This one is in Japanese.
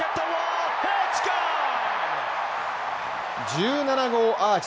１７号アーチ。